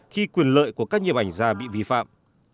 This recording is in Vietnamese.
khi quyền lợi của các nhập ảnh ra bị vi phạm